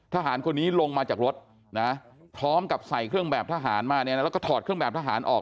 ทหารคนนี้ลงมาจากรถนะพร้อมกับใส่เครื่องแบบทหารมาเนี่ยนะแล้วก็ถอดเครื่องแบบทหารออก